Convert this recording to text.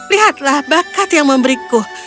lihatlah bakat yang memberiku